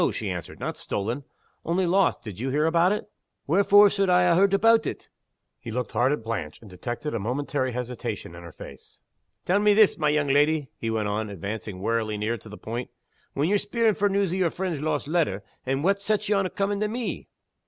she answered. "Not stolen. Only lost. Did you hear about it?" "Wherefore suld I ha' heard aboot it?" He looked hard at Blanche and detected a momentary hesitation in her face. "Tell me this, my young leddy," he went on, advancing warily near to the point. "When ye're speering for news o' your friend's lost letter what sets ye on comin' to _me?